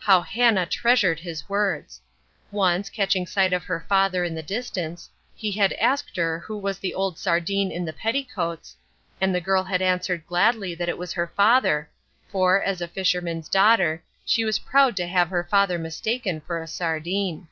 How Hannah treasured his words. Once, catching sight of her father in the distance, he had asked her who was the old sardine in the petticoats, and the girl had answered gladly that it was her father, for, as a fisherman's daughter, she was proud to have her father mistaken for a sardine.